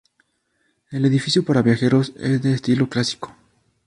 El edificio para viajeros es de estilo clásico.